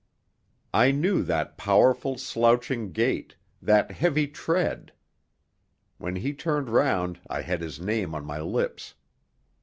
I knew that powerful, slouching gait, that heavy tread. When he turned round I had his name on my lips.